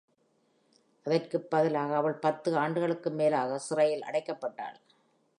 அதற்கு பதிலாக அவள் பத்து ஆண்டுகளுக்கும் மேலாக சிறையில் அடைக்கப்பட்டாள்.